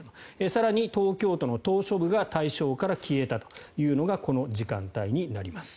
更に、東京都の島しょ部が対象から消えたというのがこの時間帯になります。